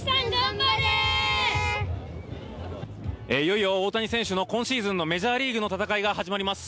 いよいよ大谷選手の今シーズンのメジャーリーグの戦いが始まります。